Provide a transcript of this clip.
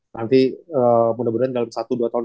nanti mudah mudahan dalam satu dua tahun